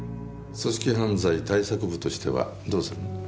組織犯罪対策部としてはどうするの？